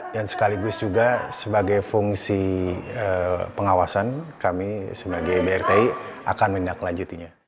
dan sekaligus juga sebagai fungsi pengawasan kami sebagai brti akan menindaklanjutinya